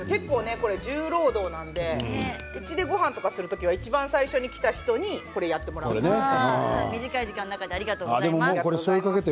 結構、重労働なのでうちでごはんとかする時いちばん最初に来た時にやってもらうんです。